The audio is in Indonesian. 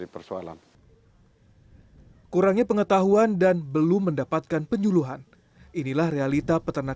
persoalan kurangnya pengetahuan dan belum mendapatkan penyuluhan inilah realita peternak